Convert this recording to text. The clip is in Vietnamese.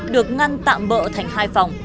được ngăn tạm bỡ thành hai phòng